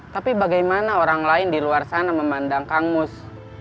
tapi bagaimana orang lain di luar sana memandang kangus